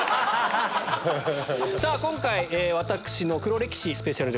今回私の黒歴史スペシャル。